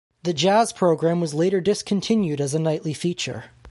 The jazz program was later discontinued as a nightly feature.